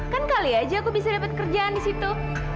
kan kali aja aku bisa dapat kerjaan di situ